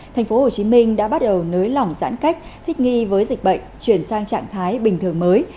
tp hcm đã bắt đầu nới lỏng giãn cách thích nghi với dịch bệnh chuyển sang trạng thái bình thường mới